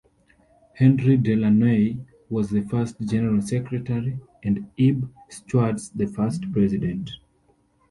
Henri Delaunay was the first general secretary and Ebbe Schwartz the first president.